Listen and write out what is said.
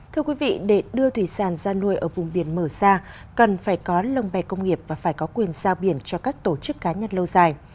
thưa quý vị để đưa thủy sản ra nuôi ở vùng biển mở ra cần phải có lồng bè công nghiệp và phải có quyền giao biển cho các tổ chức cá nhân lâu dài